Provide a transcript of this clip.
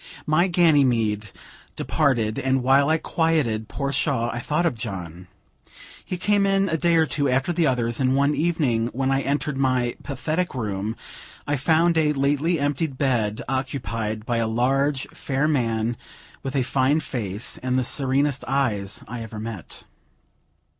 My Ganymede departed, and while I quieted poor Shaw, I thought of John. He came in a day or two after the others; and, one evening, when I entered my "pathetic room," I found a lately emptied bed occupied by a large, fair man, with a fine face, and the serenest eyes I ever met.